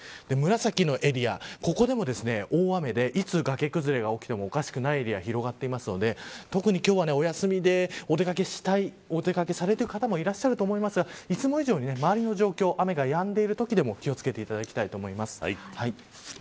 紫のエリア、ここでも大雨でいつ崖崩れが起きてもおかしくないエリアが広がっているので特に今日はお休みでお出掛けしたいお出掛けされる方もいらっしゃると思いますがいつも以上に周りの状況雨がやんでるときでも気を付けていただきたいと思います。